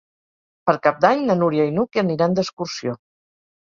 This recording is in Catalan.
Per Cap d'Any na Núria i n'Hug aniran d'excursió.